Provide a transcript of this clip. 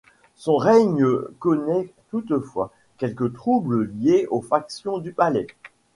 Son règne connaît toutefois quelques troubles liés aux factions du palais.